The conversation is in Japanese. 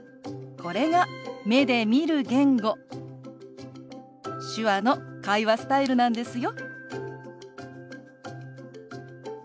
これが目で見る言語手話の会話スタイルなんですよ。